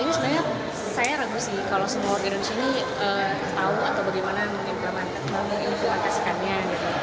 jadi sebenarnya saya ragu sih kalau semua warga indonesia ini tahu atau bagaimana mengimplementasikannya